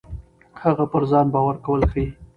هغه پر ځان باور کول ښيي.